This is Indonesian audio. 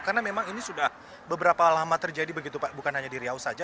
karena memang ini sudah beberapa lama terjadi begitu pak bukan hanya di riau saja